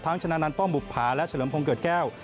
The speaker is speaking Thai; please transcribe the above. ทั้งชนะนันป้องบุกผาและเฉลิมพรงเกิดแก้ว